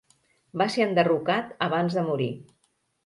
Va ser enderrocat abans de morir.